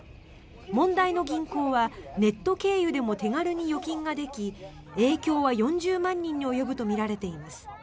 問題の銀行はネット経由でも手軽に預金ができ影響は４０万人に及ぶとみられています。